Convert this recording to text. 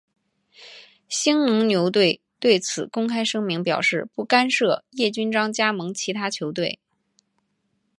兴农牛队对此公开声明表示不干涉叶君璋加盟其他球队。